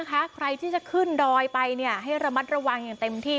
ใครที่จะขึ้นดอยไปให้ระมัดระวังอย่างเต็มที่